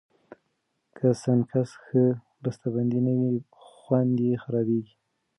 که سنکس ښه بستهبندي نه وي، خوند یې خرابېږي.